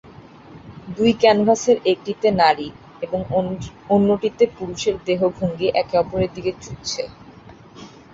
দুই ক্যানভাসের একটিতে নারী এবং অন্যটিতে পুরুষের দেহভঙ্গি একে অপরের দিকে ছুটছে।